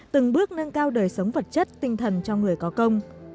từng bước nâng cao đời sống vật chất tinh thần cho người có công